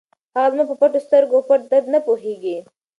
هغه زما په پټو سترګو او پټ درد نه پوهېږي.